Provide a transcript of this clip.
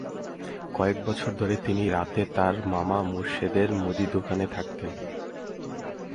কয়েক বছর ধরে তিনি রাতে তাঁর মামা মোরশেদের মুদি দোকানে থাকতেন।